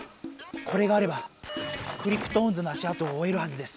これがあればクリプトオンズの足あとをおえるはずです。